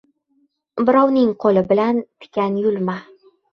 • Birovning qo‘li bilan tikan yulma.